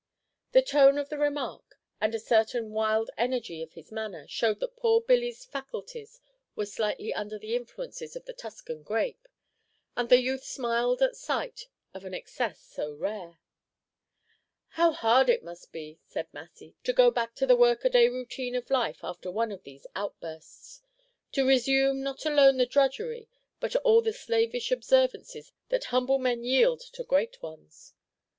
The tone of the remark, and a certain wild energy of his manner, showed that poor Billy's faculties were slightly under the influences of the Tuscan grape; and the youth smiled at sight of an excess so rare. "How hard it must be," said Massy, "to go back to the workaday routine of life after one of these outbursts, to resume not alone the drudgery, but all the slavish observances that humble men yield to great ones!"